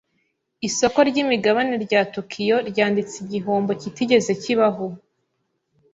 Isoko ryimigabane rya Tokiyo ryanditse igihombo kitigeze kibaho.